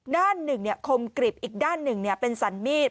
ด้านหนึ่งคมกริบอีกด้านหนึ่งเป็นสันมีด